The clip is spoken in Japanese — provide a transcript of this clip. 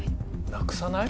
なくさない？